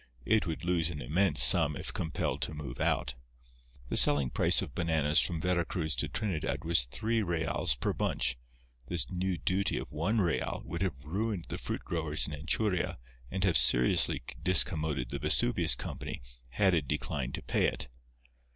It would lose an immense sum if compelled to move out. The selling price of bananas from Vera Cruz to Trinidad was three reals per bunch. This new duty of one real would have ruined the fruit growers in Anchuria and have seriously discommoded the Vesuvius Company had it declined to pay it.